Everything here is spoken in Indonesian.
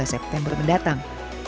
empat belas september mendatang